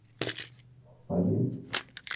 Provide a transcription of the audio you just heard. Ялпаем...